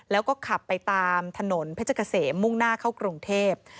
แล้วก็ขับไปตามถนนเพชรเกษมมุ่งหน้าเข้ากรุงเทพ